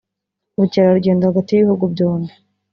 ubukerarugendo hagati y’ibihugu byombi